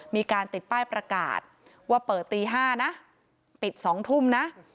มีการติดป้ายประกาศว่าเปิดตี๕นะปิด๒ทุ่มนะ